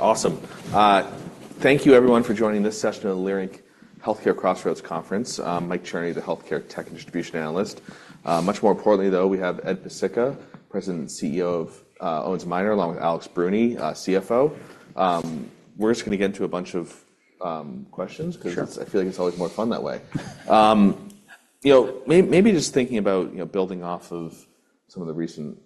Awesome. Thank you everyone for joining this session of the Leerink Healthcare Crossroads Conference. I'm Mike Cherney, the healthcare tech and distribution analyst. Much more importantly, though, we have Ed Pesicka, President and CEO of Owens & Minor, along with Alex Bruni, CFO. We're just gonna get into a bunch of questions- Sure. 'Cause I feel like it's always more fun that way. You know, maybe just thinking about, you know, building off of some of the recent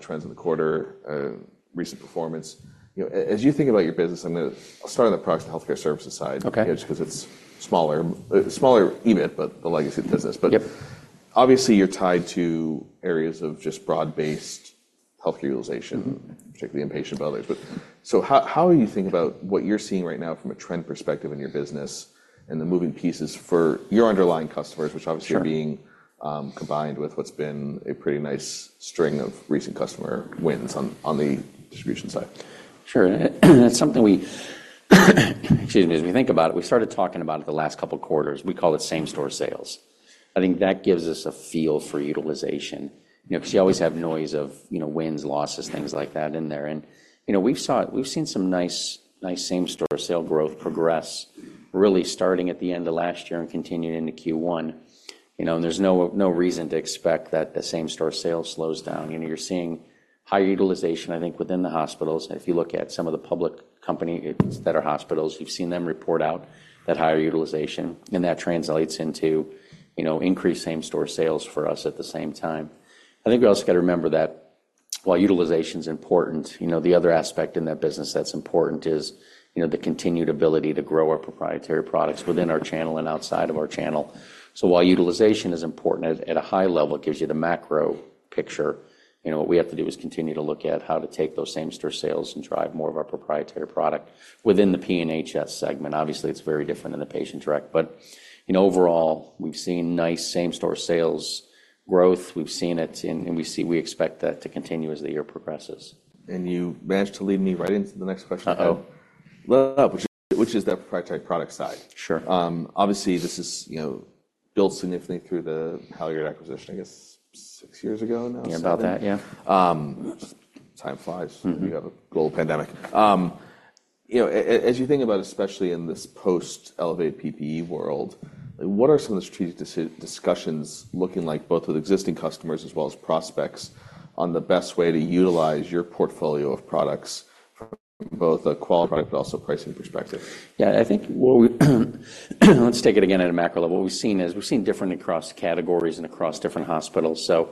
trends of the quarter, recent performance, you know, as you think about your business, I'm gonna. I'll start on the Products and Healthcare Services side. Okay. just 'cause it's smaller, smaller EBIT, but the legacy of the business. Yep. But obviously, you're tied to areas of just broad-based healthcare utilization- Mm-hmm. particularly inpatient, but others. But so how, how are you thinking about what you're seeing right now from a trend perspective in your business and the moving pieces for your underlying customers- Sure. - which obviously are being combined with what's been a pretty nice string of recent customer wins on the distribution side? Sure. It's something we, excuse me, as we think about it, we started talking about it the last couple of quarters. We call it same-store sales. I think that gives us a feel for utilization. You know, 'cause you always have noise of, you know, wins, losses, things like that in there. And, you know, we've seen some nice, nice same-store sale growth progress, really starting at the end of last year and continuing into Q1. You know, and there's no reason to expect that the same-store sale slows down. You know, you're seeing higher utilization, I think, within the hospitals. If you look at some of the public companies that are hospitals, we've seen them report out that higher utilization, and that translates into, you know, increased same-store sales for us at the same time. I think we also gotta remember that while utilization's important, you know, the other aspect in that business that's important is, you know, the continued ability to grow our proprietary products within our channel and outside of our channel. So while utilization is important at a high level, it gives you the macro picture. You know, what we have to do is continue to look at how to take those same-store sales and drive more of our proprietary product within the PNHS segment. Obviously, it's very different in the Patient Direct, but, you know, overall, we've seen nice same-store sales growth. We've seen it, and we see, we expect that to continue as the year progresses. You managed to lead me right into the next question- Uh-oh. Love, which is that proprietary product side. Sure. Obviously, this is, you know, built significantly through the Halyard acquisition, I guess, six years ago now? About that, yeah. Time flies. Mm-hmm. We have a global pandemic. You know, as you think about, especially in this post-elevated PPE world, what are some of the strategic discussions looking like, both with existing customers as well as prospects, on the best way to utilize your portfolio of products from both a quality but also pricing perspective? Yeah, I think what we, let's take it again at a macro level. What we've seen is, we've seen differences across categories and across different hospitals. So,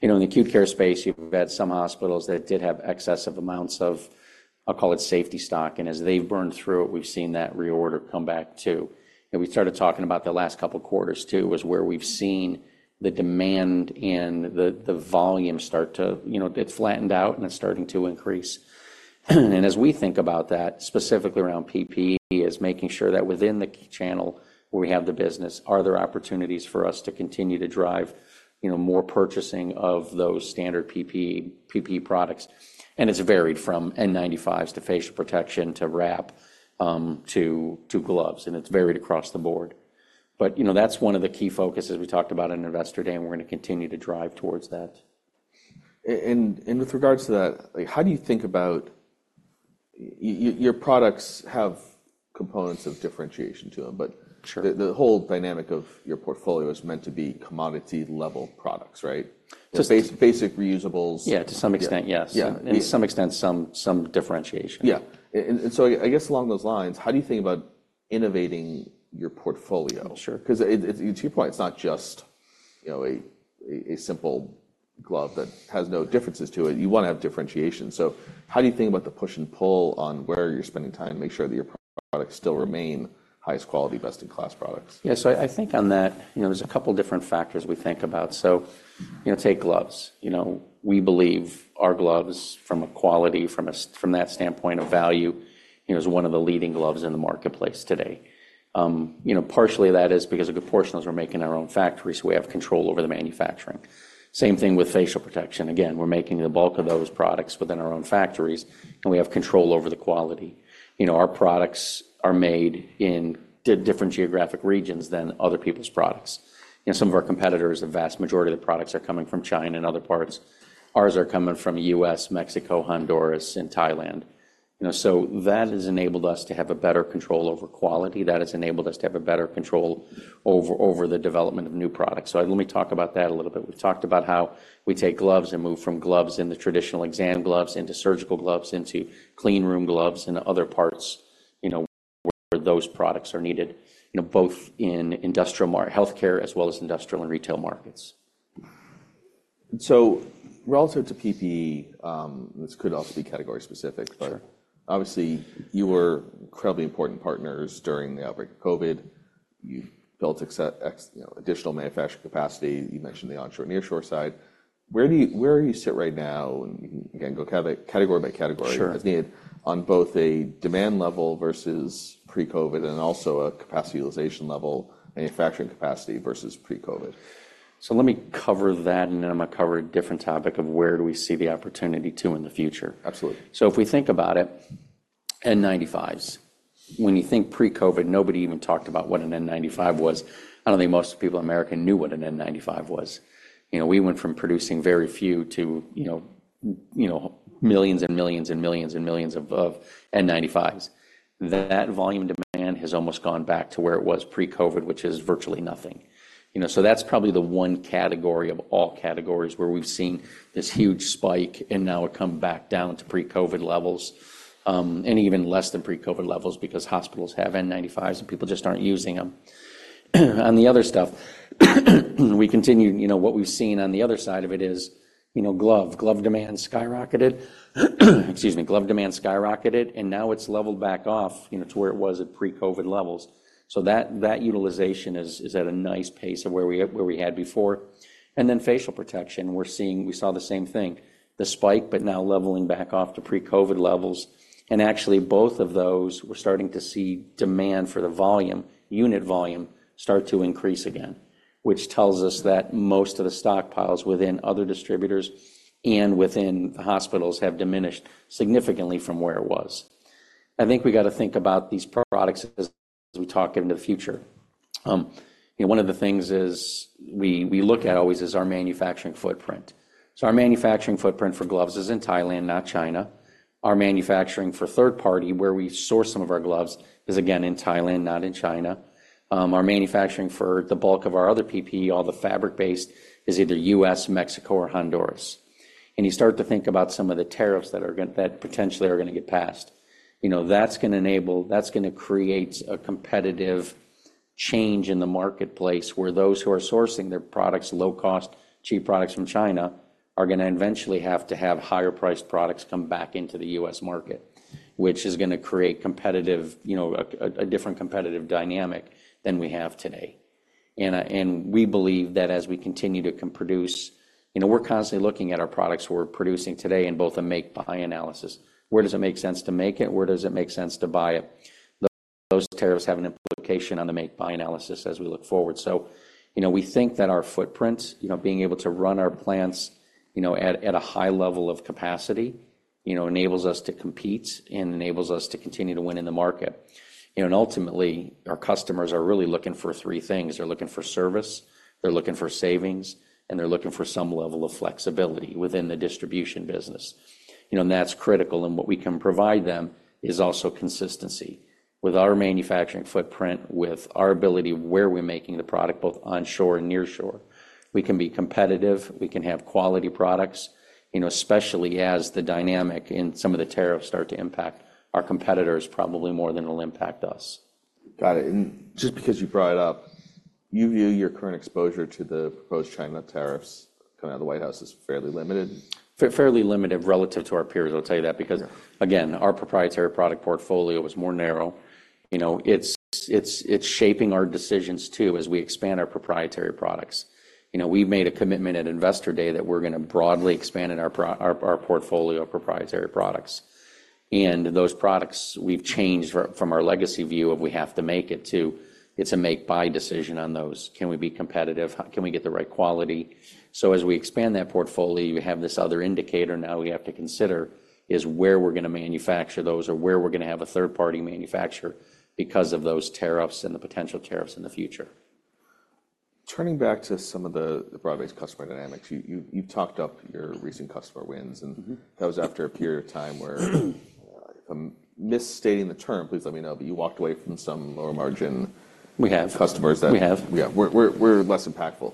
you know, in the Acute Care Space, you've had some hospitals that did have excessive amounts of, I'll call it safety stock, and as they've burned through it, we've seen that reorder come back, too. And we started talking about the last couple of quarters, too, was where we've seen the demand and the volume start to... You know, it flattened out, and it's starting to increase. And as we think about that, specifically around PPE, is making sure that within the key channel where we have the business, are there opportunities for us to continue to drive, you know, more purchasing of those standard PPE, PPE products? It's varied from N95s to facial protection, to wrap, to gloves, and it's varied across the board. But, you know, that's one of the key focuses we talked about on Investor Day, and we're gonna continue to drive towards that. And with regards to that, like, how do you think about... your products have components of differentiation to them, but- Sure... the whole dynamic of your portfolio is meant to be commodity-level products, right? Just- Basic reusables. Yeah, to some extent, yes. Yeah. And to some extent, some differentiation. Yeah. And so I guess along those lines, how do you think about innovating your portfolio? Sure. 'Cause to your point, it's not just, you know, a simple glove that has no differences to it. You wanna have differentiation. So how do you think about the push and pull on where you're spending time to make sure that your products still remain highest quality, best-in-class products? Yeah, so I think on that, you know, there's a couple of different factors we think about. So, you know, take gloves. You know, we believe our gloves from a quality, from a standpoint of value, you know, is one of the leading gloves in the marketplace today. You know, partially that is because a good portion of those we're making in our own factories, we have control over the manufacturing. Same thing with facial protection. Again, we're making the bulk of those products within our own factories, and we have control over the quality. You know, our products are made in different geographic regions than other people's products. You know, some of our competitors, the vast majority of the products are coming from China and other parts. Ours are coming from U.S., Mexico, Honduras, and Thailand. You know, so that has enabled us to have a better control over quality. That has enabled us to have a better control over the development of new products. So let me talk about that a little bit. We've talked about how we take gloves and move from gloves in the traditional exam gloves into surgical gloves, into cleanroom gloves and other parts, you know, where those products are needed, you know, both in industrial markets, healthcare as well as industrial and retail markets. So relative to PPE, this could also be category-specific- Sure ... but obviously, you were incredibly important partners during the outbreak of COVID. You built, you know, additional manufacturing capacity. You mentioned the onshore, nearshore side. Where do you, where do you sit right now? And you can go category by category- Sure... as needed, on both a demand level versus pre-COVID and also a capacity utilization level, manufacturing capacity versus pre-COVID. So let me cover that, and then I'm gonna cover a different topic of where do we see the opportunity to in the future. Absolutely. So if we think about it, N95s. When you think pre-COVID, nobody even talked about what an N95 was. I don't think most people in America knew what an N95 was. You know, we went from producing very few to, you know, millions and millions, and millions, and millions of N95s. That volume demand has almost gone back to where it was pre-COVID, which is virtually nothing. You know, so that's probably the one category of all categories where we've seen this huge spike, and now it come back down to pre-COVID levels, and even less than pre-COVID levels because hospitals have N95s, and people just aren't using them. On the other stuff, we continue. You know, what we've seen on the other side of it is, you know, glove. Glove demand skyrocketed. Excuse me. Glove demand skyrocketed, and now it's leveled back off, you know, to where it was at pre-COVID levels. So that utilization is at a nice pace of where we had before. And then facial protection, we're seeing, we saw the same thing, the spike, but now leveling back off to pre-COVID levels. And actually, both of those, we're starting to see demand for the volume, unit volume, start to increase again, which tells us that most of the stockpiles within other distributors and within the hospitals have diminished significantly from where it was. I think we got to think about these products as we talk into the future. You know, one of the things is, we look at always is our manufacturing footprint. So our manufacturing footprint for gloves is in Thailand, not China. Our manufacturing for third party, where we source some of our gloves, is again in Thailand, not in China. Our manufacturing for the bulk of our other PPE, all the fabric-based, is either U.S., Mexico, or Honduras. You start to think about some of the tariffs that potentially are gonna get passed. You know, that's gonna enable... That's gonna create a competitive change in the marketplace, where those who are sourcing their products, low-cost, cheap products from China, are gonna eventually have to have higher priced products come back into the U.S. market, which is gonna create competitive, you know, a different competitive dynamic than we have today. We believe that as we continue to produce. You know, we're constantly looking at our products we're producing today in both a make/buy analysis. Where does it make sense to make it? Where does it make sense to buy it? Those tariffs have an implication on the make/buy analysis as we look forward. You know, we think that our footprint, you know, being able to run our plants, you know, at a high level of capacity, you know, enables us to compete and enables us to continue to win in the market. You know, and ultimately, our customers are really looking for three things. They're looking for service, they're looking for savings, and they're looking for some level of flexibility within the distribution business. You know, and that's critical, and what we can provide them is also consistency. With our manufacturing footprint, with our ability, where we're making the product, both onshore and nearshore, we can be competitive, we can have quality products, you know, especially as the dynamic and some of the tariffs start to impact our competitors probably more than it'll impact us. Got it. Just because you brought it up, you view your current exposure to the proposed China tariffs coming out of the White House as fairly limited? Fair, fairly limited relative to our peers, I'll tell you that. Yeah. Because, again, our proprietary product portfolio is more narrow. You know, it's shaping our decisions, too, as we expand our proprietary products. You know, we've made a commitment at Investor Day that we're gonna broadly expand in our portfolio of proprietary products. And those products we've changed from our legacy view of we have to make it to it's a make/buy decision on those. Can we be competitive? Can we get the right quality? So as we expand that portfolio, we have this other indicator now we have to consider, is where we're gonna manufacture those or where we're gonna have a third-party manufacturer because of those tariffs and the potential tariffs in the future. Turning back to some of the broad-based customer dynamics, you've talked up your recent customer wins, and- Mm-hmm. That was after a period of time where, if I'm misstating the term, please let me know, but you walked away from some lower-margin We have. -customers that- We have. Yeah. We're less impactful.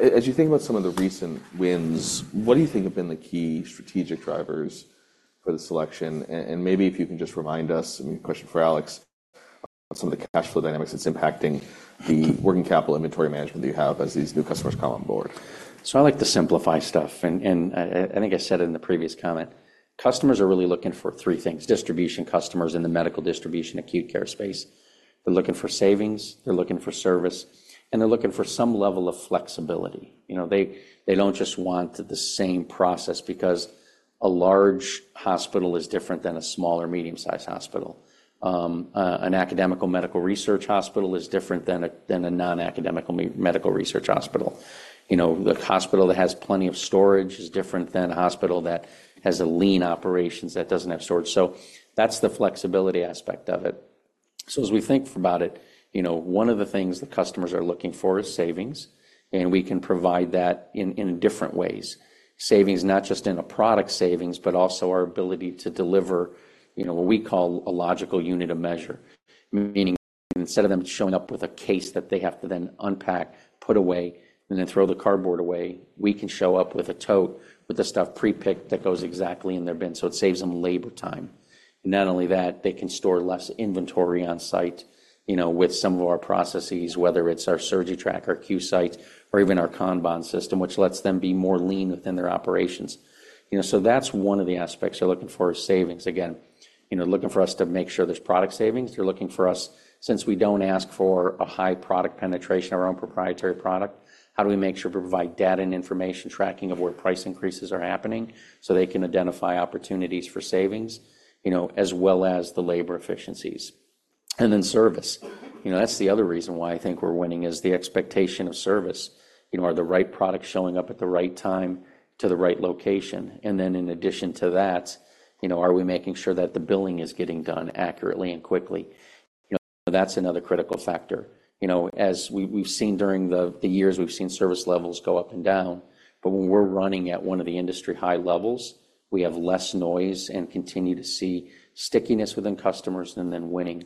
As you think about some of the recent wins, what do you think have been the key strategic drivers for the selection? And maybe if you can just remind us, a question for Alex, on some of the cash flow dynamics that's impacting the working capital inventory management that you have as these new customers come on board. So I like to simplify stuff, and, and I, I think I said it in the previous comment: customers are really looking for three things, distribution customers in the medical distribution, acute care space. They're looking for savings, they're looking for service, and they're looking for some level of flexibility. You know, they, they don't just want the same process because a large hospital is different than a small or medium-sized hospital. An academic medical research hospital is different than a non-academic medical research hospital. You know, the hospital that has plenty of storage is different than a hospital that has a lean operations that doesn't have storage. So that's the flexibility aspect of it. So as we think about it, you know, one of the things the customers are looking for is savings, and we can provide that in, in different ways. Savings, not just in a product savings, but also our ability to deliver, you know, what we call a logical unit of measure, meaning instead of them showing up with a case that they have to then unpack, put away, and then throw the cardboard away, we can show up with a tote with the stuff pre-picked that goes exactly in their bin, so it saves them labor time. Not only that, they can store less inventory on site, you know, with some of our processes, whether it's our SurgiTrack, our QSight, or even our Kanban system, which lets them be more lean within their operations. You know, so that's one of the aspects they're looking for, is savings. Again, you know, looking for us to make sure there's product savings. They're looking for us. Since we don't ask for a high product penetration, our own proprietary product, how do we make sure we provide data and information tracking of where price increases are happening so they can identify opportunities for savings, you know, as well as the labor efficiencies? And then service, you know, that's the other reason why I think we're winning, is the expectation of service. You know, are the right products showing up at the right time?... to the right location? And then in addition to that, you know, are we making sure that the billing is getting done accurately and quickly? You know, that's another critical factor. You know, as we've seen during the years, we've seen service levels go up and down, but when we're running at one of the industry-high levels, we have less noise and continue to see stickiness within customers and then winning.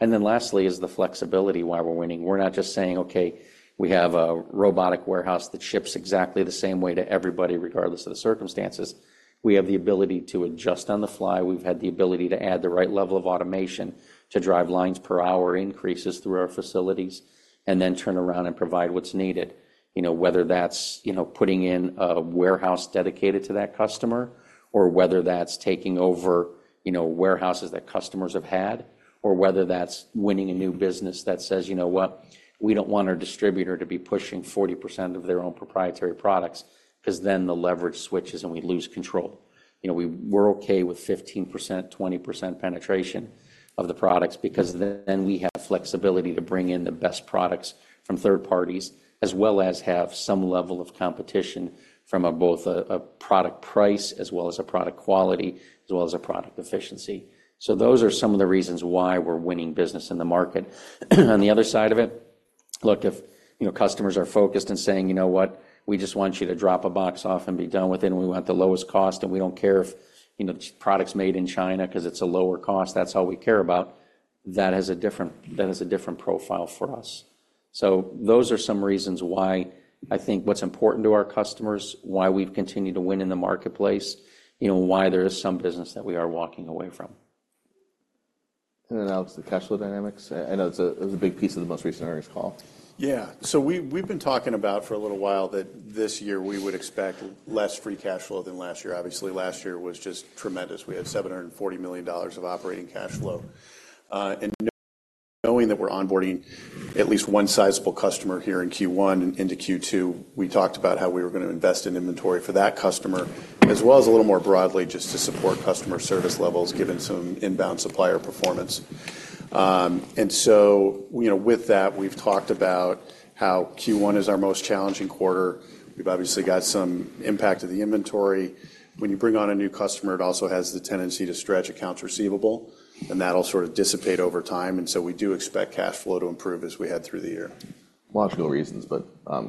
And then lastly is the flexibility why we're winning. We're not just saying, "Okay, we have a robotic warehouse that ships exactly the same way to everybody, regardless of the circumstances." We have the ability to adjust on the fly. We've had the ability to add the right level of automation to drive lines per hour increases through our facilities and then turn around and provide what's needed. You know, whether that's, you know, putting in a warehouse dedicated to that customer, or whether that's taking over, you know, warehouses that customers have had, or whether that's winning a new business that says, "You know what? We don't want our distributor to be pushing 40% of their own proprietary products, 'cause then the leverage switches, and we lose control. You know, we're okay with 15%-20% penetration of the products, because then we have flexibility to bring in the best products from third parties, as well as have some level of competition from both a product price, as well as a product quality, as well as a product efficiency. So those are some of the reasons why we're winning business in the market. On the other side of it, look, if, you know, customers are focused and saying: "You know what? We just want you to drop a box off and be done with it, and we want the lowest cost, and we don't care if, you know, the product's made in China 'cause it's a lower cost. That's all we care about." That has a different profile for us. So those are some reasons why I think what's important to our customers, why we've continued to win in the marketplace, you know, why there is some business that we are walking away from. And then now to the cash flow dynamics. I know it's a, it was a big piece of the most recent earnings call. Yeah. So we've been talking about for a little while that this year we would expect less free cash flow than last year. Obviously, last year was just tremendous. We had $740 million of operating cash flow. And knowing that we're onboarding at least one sizable customer here in Q1 into Q2, we talked about how we were gonna invest in inventory for that customer, as well as a little more broadly, just to support customer service levels, given some inbound supplier performance. And so, you know, with that, we've talked about how Q1 is our most challenging quarter. We've obviously got some impact of the inventory. When you bring on a new customer, it also has the tendency to stretch accounts receivable, and that'll sort of dissipate over time, and so we do expect cash flow to improve as we head through the year. Logical reasons, but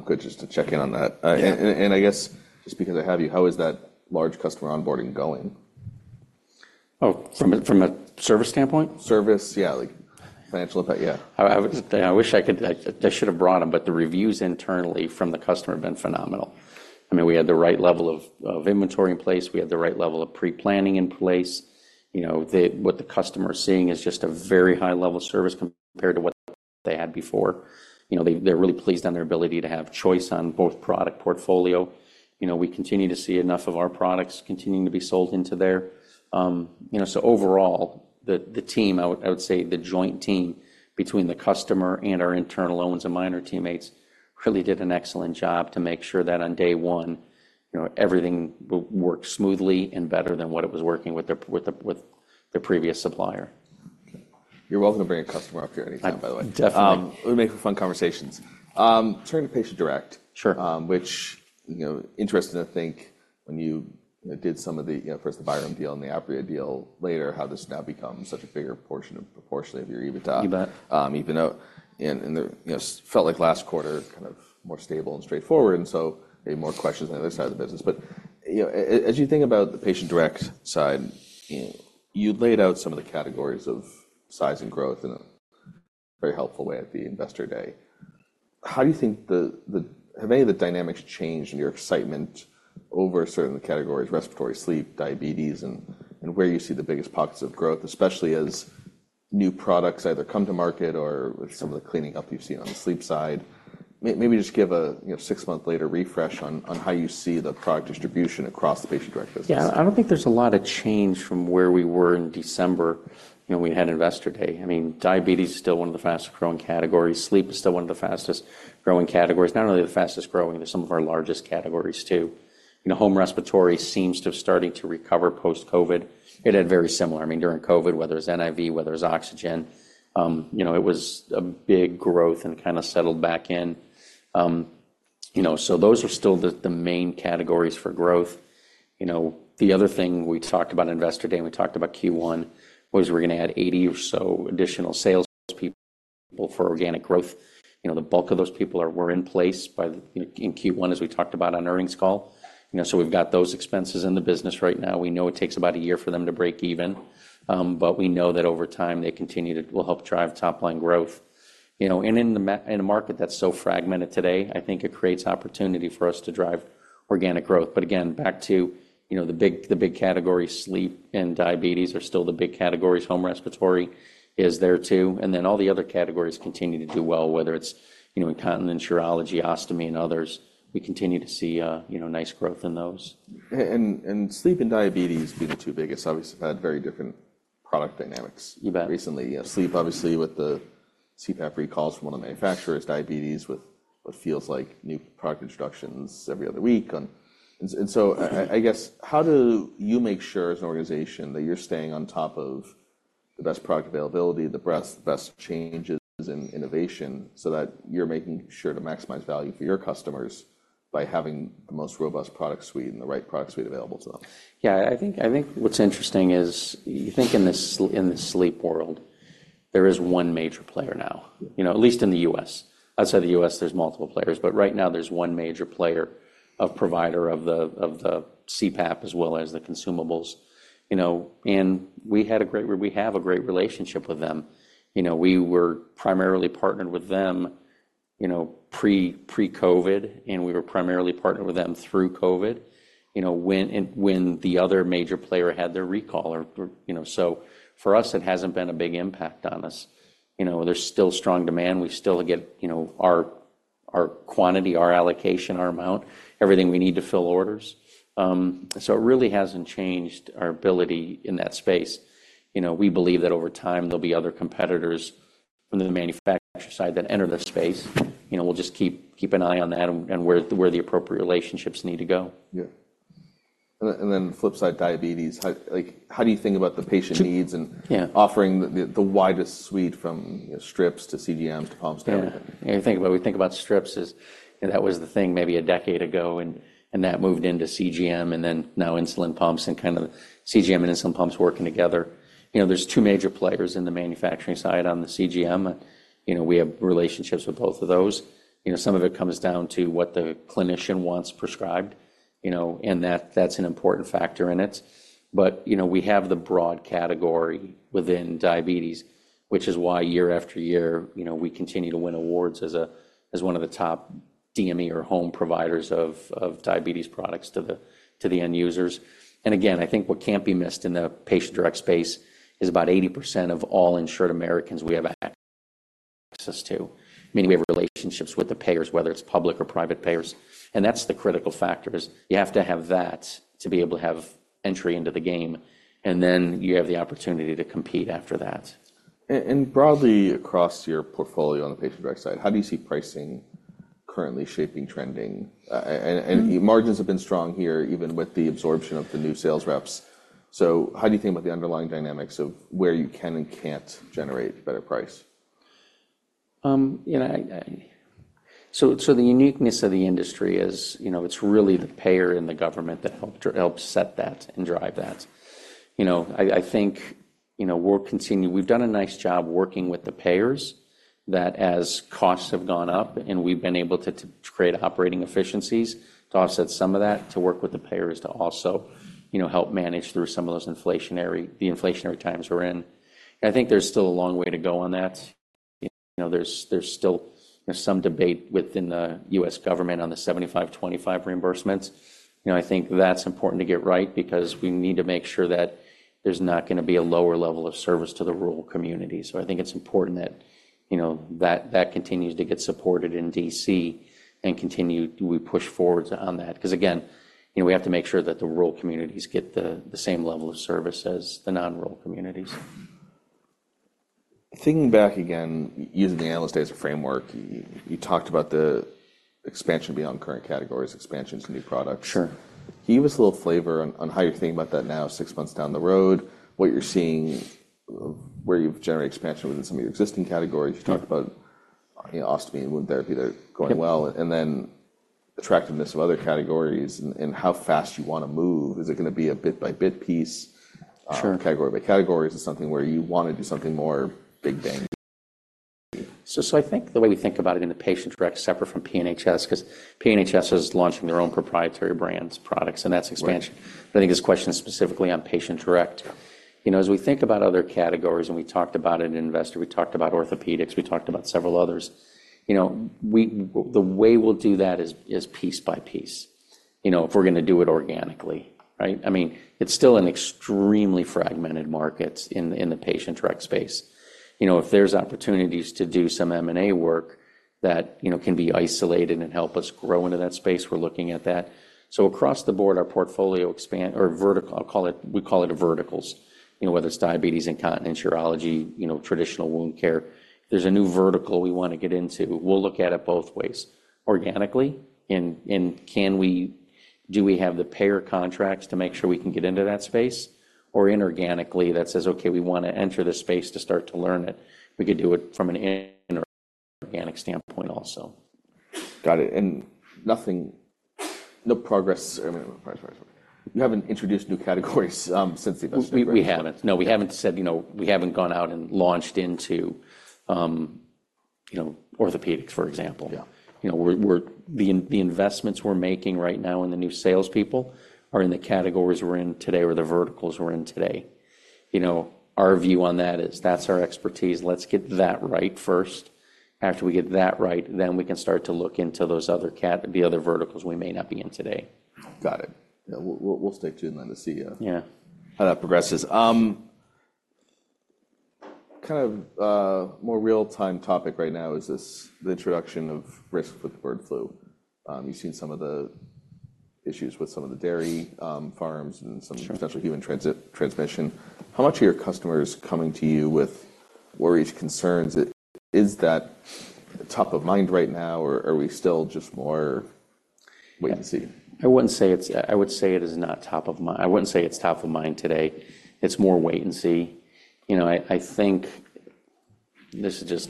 good just to check in on that. Yeah. I guess just because I have you, how is that large customer onboarding going? Oh, from a service standpoint? Service, yeah, like financial effect, yeah. I wish I could... I should have brought them, but the reviews internally from the customer have been phenomenal. I mean, we had the right level of inventory in place. We had the right level of pre-planning in place. You know, what the customer is seeing is just a very high level of service compared to what they had before. You know, they're really pleased on their ability to have choice on both product portfolio. You know, we continue to see enough of our products continuing to be sold into there. You know, so overall, the team, I would say the joint team between the customer and our internal Owens & Minor teammates, really did an excellent job to make sure that on day one, you know, everything worked smoothly and better than what it was working with their previous supplier. You're welcome to bring a customer up here anytime, by the way. Definitely. It would make for fun conversations. Turning to Patient Direct- Sure. which, you know, interesting to think when you, you know, did some of the, you know, first the Byram deal and the Apria deal later, how this has now become such a bigger portion of - proportion of your EBITDA. You bet. Even though the, you know, seemed felt like last quarter, kind of more stable and straightforward, and so maybe more questions on the other side of the business. But, you know, as you think about the Patient Direct side, you know, you laid out some of the categories of size and growth in a very helpful way at the Investor Day. How do you think the... Have any of the dynamics changed in your excitement over certain categories, respiratory, sleep, diabetes, and where you see the biggest pockets of growth, especially as new products either come to market or with some of the cleaning up you've seen on the sleep side? Maybe just give a, you know, six-month later refresh on how you see the product distribution across the Patient Direct business. Yeah. I don't think there's a lot of change from where we were in December, you know, when we had Investor Day. I mean, diabetes is still one of the fastest-growing categories. Sleep is still one of the fastest-growing categories. Not only the fastest-growing, but some of our largest categories, too. You know, home respiratory seems to have starting to recover post-COVID. It had very similar, I mean, during COVID, whether it's NIV, whether it's oxygen, you know, it was a big growth and kind of settled back in. You know, so those are still the main categories for growth. You know, the other thing we talked about in Investor Day, and we talked about Q1, was we're gonna add 80 or so additional sales people for organic growth. You know, the bulk of those people were in place in Q1, as we talked about on earnings call. You know, so we've got those expenses in the business right now. We know it takes about a year for them to break even, but we know that over time, they will help drive top-line growth. You know, and in a market that's so fragmented today, I think it creates opportunity for us to drive organic growth. But again, back to, you know, the big, the big categories, sleep and diabetes are still the big categories. Home respiratory is there too, and then all the other categories continue to do well, whether it's, you know, incontinence, urology, ostomy, and others. We continue to see, you know, nice growth in those. And sleep and diabetes being the two biggest, obviously, have had very different product dynamics- You bet... recently. Yeah, sleep, obviously, with the CPAP recalls from one of the manufacturers, diabetes with what feels like new product introductions every other week on... And so I guess, how do you make sure as an organization that you're staying on top of... the best product availability, the best changes and innovation, so that you're making sure to maximize value for your customers by having the most robust product suite and the right product suite available to them. Yeah, I think, I think what's interesting is, you think in the sleep world, there is one major player now, you know, at least in the U.S. Outside the U.S., there's multiple players, but right now there's one major player, a provider of the, of the CPAP as well as the consumables. You know, and we had a great, we have a great relationship with them. You know, we were primarily partnered with them, you know, pre, pre-COVID, and we were primarily partnered with them through COVID, you know, when, when the other major player had their recall or, or. You know, so for us, it hasn't been a big impact on us. You know, there's still strong demand. We still get, you know, our, our quantity, our allocation, our amount, everything we need to fill orders. So it really hasn't changed our ability in that space. You know, we believe that over time, there'll be other competitors from the manufacturer side that enter the space. You know, we'll just keep an eye on that and where the appropriate relationships need to go. Yeah. And then, and then the flip side, diabetes. How, like, how do you think about the patient needs- Yeah and offering the widest suite, from strips to CGM to pumps to everything? Yeah. When you think about, we think about strips is, you know, that was the thing maybe a decade ago, and, and that moved into CGM, and then now insulin pumps and kind of CGM and insulin pumps working together. You know, there's two major players in the manufacturing side on the CGM, and, you know, we have relationships with both of those. You know, some of it comes down to what the clinician wants prescribed, you know, and that- that's an important factor in it. But, you know, we have the broad category within diabetes, which is why year after year, you know, we continue to win awards as a, as one of the top DME or home providers of, of diabetes products to the, to the end users. Again, I think what can't be missed in the patient-direct space is about 80% of all insured Americans we have access to, meaning we have relationships with the payers, whether it's public or private payers, and that's the critical factor is you have to have that to be able to have entry into the game, and then you have the opportunity to compete after that. And broadly, across your portfolio on the patient direct side, how do you see pricing currently shaping, trending? And margins have been strong here, even with the absorption of the new sales reps. So how do you think about the underlying dynamics of where you can and can't generate better price? You know, so the uniqueness of the industry is, you know, it's really the payer and the government that help set that and drive that. You know, I think, you know, we're continuing. We've done a nice job working with the payers, that as costs have gone up, and we've been able to create operating efficiencies to offset some of that, to work with the payers to also, you know, help manage through some of those inflationary times we're in. And I think there's still a long way to go on that. You know, there's still some debate within the U.S. government on the 75-25 reimbursements. You know, I think that's important to get right because we need to make sure that there's not gonna be a lower level of service to the rural communities. So I think it's important that, you know, that continues to get supported in D.C. and we continue to push forward on that. Because, again, you know, we have to make sure that the rural communities get the same level of service as the non-rural communities. Thinking back again, using the Analyst Day as a framework, you talked about the expansion beyond current categories, expansion to new products. Sure. Give us a little flavor on how you're thinking about that now, six months down the road, what you're seeing, where you've generated expansion within some of your existing categories? Yeah. You talked about, you know, ostomy and wound therapy there- Yeah going well, and then attractiveness of other categories and, and how fast you wanna move. Is it gonna be a bit by bit piece- Sure... category by category, or is it something where you wanna do something more big bang? So, I think the way we think about it in the Patient Direct, separate from PNHS, 'cause PNHS is launching their own proprietary brands, products, and that's expansion. Right. But I think this question is specifically on Patient Direct. You know, as we think about other categories, and we talked about it in Investor, we talked about orthopedics, we talked about several others, you know, the way we'll do that is, is piece by piece, you know, if we're gonna do it organically, right? I mean, it's still an extremely fragmented market in the Patient Direct space. You know, if there's opportunities to do some M&A work that, you know, can be isolated and help us grow into that space, we're looking at that. So across the board, our portfolio expand or vertical, I'll call it... We call it the verticals. You know, whether it's diabetes, incontinence, urology, you know, traditional wound care, there's a new vertical we wanna get into. We'll look at it both ways. Organically, and do we have the payer contracts to make sure we can get into that space? Or inorganically, that says, "Okay, we wanna enter this space to start to learn it." We could do it from an inorganic standpoint also. Got it, and nothing, no progress. I mean, you haven't introduced new categories since the Investor Day. We, we haven't. No, we haven't said, you know... We haven't gone out and launched into, you know, orthopedics, for example. Yeah. You know, the investments we're making right now in the new salespeople are in the categories we're in today or the verticals we're in today. You know, our view on that is, that's our expertise. Let's get that right first. After we get that right, then we can start to look into those other verticals we may not be in today. Got it. Yeah, we'll stick to it and then to see. Yeah - how that progresses. Kind of, more real-time topic right now is this, the introduction of risk with the bird flu. You've seen some of the issues with some of the dairy farms- Sure - and some potential human transmission. How much are your customers coming to you with worries, concerns? Is, is that top of mind right now, or are we still just more-... Wait and see. I wouldn't say it's, I would say it is not top of mind. I wouldn't say it's top of mind today. It's more wait and see. You know, I think this is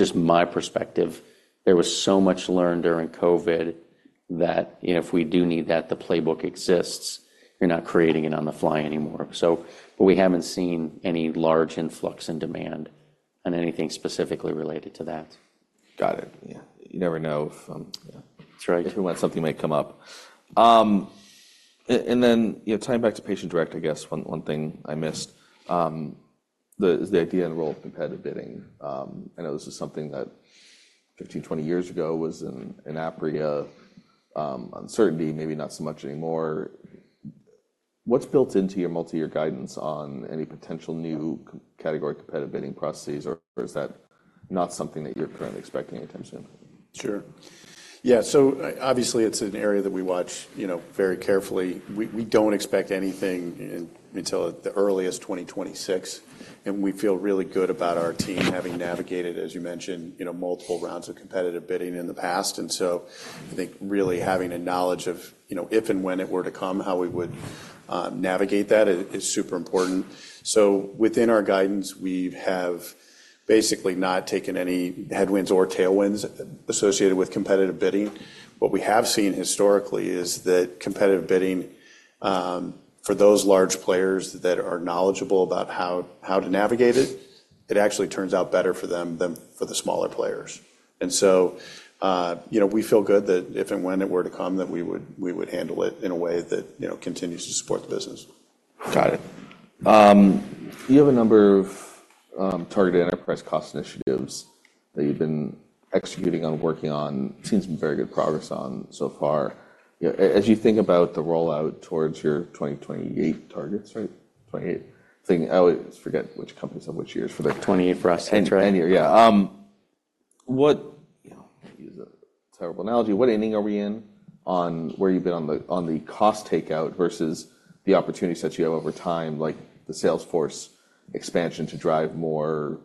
just my perspective. There was so much learned during COVID that, you know, if we do need that, the playbook exists. You're not creating it on the fly anymore. So but we haven't seen any large influx in demand on anything specifically related to that. Got it. Yeah. You never know if- That's right. If and when something may come up. Tying back to Patient Direct, I guess one thing I missed is the idea and role of competitive bidding. I know this is something that 15, 20 years ago was in Apria, uncertainty, maybe not so much anymore. What's built into your multi-year guidance on any potential new category competitive bidding processes, or is that not something that you're currently expecting anytime soon? Sure. Yeah. So obviously, it's an area that we watch, you know, very carefully. We don't expect anything in, until at the earliest, 2026, and we feel really good about our team having navigated, as you mentioned, you know, multiple rounds of competitive bidding in the past. So I think really having a knowledge of, you know, if and when it were to come, how we would navigate that is super important. So within our guidance, we have basically not taken any headwinds or tailwinds associated with competitive bidding. What we have seen historically is that competitive bidding for those large players that are knowledgeable about how to navigate it, it actually turns out better for them than for the smaller players. And so, you know, we feel good that if and when it were to come, that we would handle it in a way that, you know, continues to support the business. Got it. You have a number of targeted enterprise cost initiatives that you've been executing on, working on, seen some very good progress on so far. Yeah, as you think about the rollout towards your 2028 targets, right? 2028, I think I always forget which companies have which years for the- 28 for us. That's right. Any year. Yeah. What—you know, use a terrible analogy. What inning are we in on where you've been on the, on the cost takeout versus the opportunities that you have over time, like the sales force expansion to drive more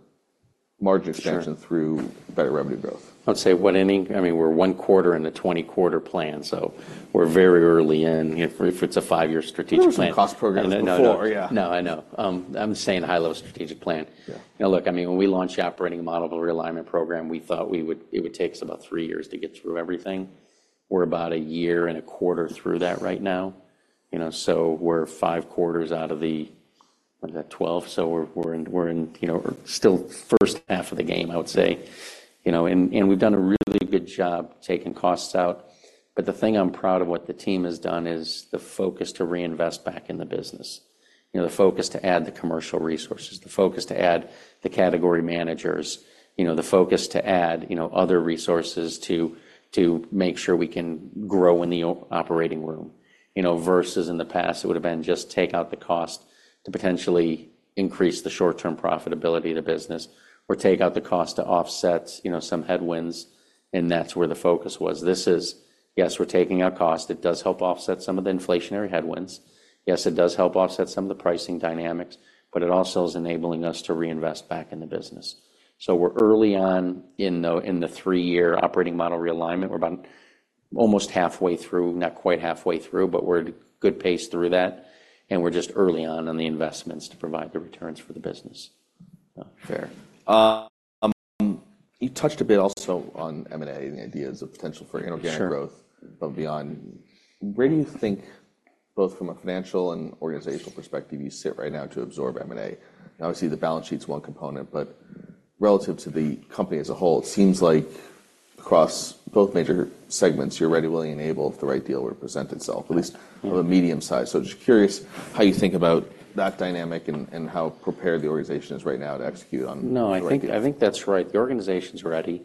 margin expansion? Sure. through better revenue growth? I'd say what inning? I mean, we're one quarter in a 20-quarter plan, so we're very early in if, if it's a five-year strategic plan. There were some cost programs before. Yeah. No, I know. I'm saying high-level strategic plan. Yeah. Now, look, I mean, when we launched the Operating Model Realignment Program, we thought it would take us about three years to get through everything. We're about a year and a quarter through that right now, you know, so we're 5 quarters out of the, what is that? 12. So we're in, you know, we're still in the first half of the game, I would say. You know, and we've done a really good job taking costs out. But the thing I'm proud of what the team has done is the focus to reinvest back in the business. You know, the focus to add the commercial resources, the focus to add the category managers, you know, the focus to add, you know, other resources to make sure we can grow in the operating room. You know, versus in the past, it would have been just take out the cost to potentially increase the short-term profitability of the business or take out the cost to offset, you know, some headwinds, and that's where the focus was. This is, yes, we're taking out cost. It does help offset some of the inflationary headwinds. Yes, it does help offset some of the pricing dynamics, but it also is enabling us to reinvest back in the business. So we're early on in the three-year operating model realignment. We're about almost halfway through, not quite halfway through, but we're at a good pace through that, and we're just early on on the investments to provide the returns for the business. Fair. You touched a bit also on M&A and the ideas of potential for inorganic growth- Sure. But beyond, where do you think, both from a financial and organizational perspective, you sit right now to absorb M&A? Obviously, the balance sheet's one component, but relative to the company as a whole, it seems like across both major segments, you're ready, willing, and able if the right deal were to present itself, at least- Mm on a medium size. So just curious how you think about that dynamic and how prepared the organization is right now to execute on the right deal? No, I think, I think that's right. The organization's ready.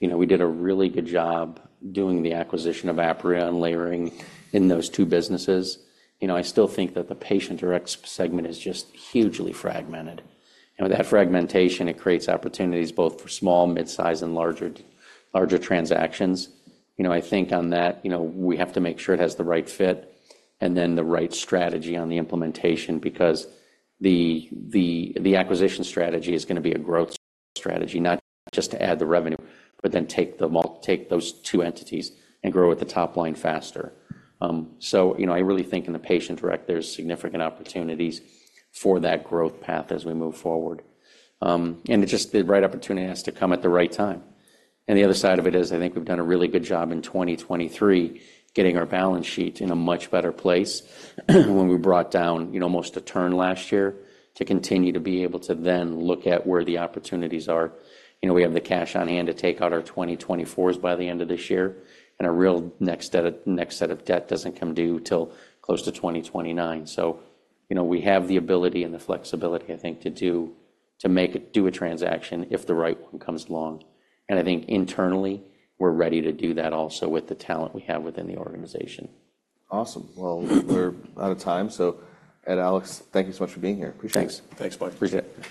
You know, we did a really good job doing the acquisition of Apria and layering in those two businesses. You know, I still think that the Patient Direct segment is just hugely fragmented. You know, that fragmentation, it creates opportunities both for small, mid-size, and larger, larger transactions. You know, I think on that, you know, we have to make sure it has the right fit and then the right strategy on the implementation, because the acquisition strategy is going to be a growth strategy, not just to add the revenue, but then take those two entities and grow at the top line faster. So, you know, I really think in the Patient Direct, there's significant opportunities for that growth path as we move forward. It just, the right opportunity has to come at the right time. And the other side of it is, I think we've done a really good job in 2023, getting our balance sheet in a much better place when we brought down, you know, almost a turn last year, to continue to be able to then look at where the opportunities are. You know, we have the cash on hand to take out our 2024s by the end of this year, and our real next set of, next set of debt doesn't come due till close to 2029. So, you know, we have the ability and the flexibility, I think, to do a transaction if the right one comes along. And I think internally, we're ready to do that also with the talent we have within the organization. Awesome. Well, we're out of time. Ed, Alex, thank you so much for being here. Appreciate it. Thanks. Thanks, Mike. Appreciate it.